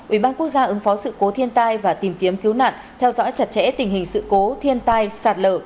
ủy ban quốc gia ứng phó sự cố thiên tai và tìm kiếm cứu nạn theo dõi chặt chẽ tình hình sự cố thiên tai sạt lở